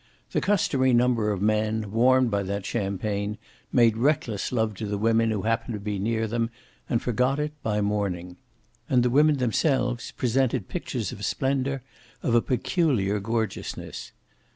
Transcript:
The customary number of men, warmed by that champagne, made reckless love to the women who happened to be near them and forgot it by morning. And the women themselves presented pictures of splendor of a peculiar gorgeousness.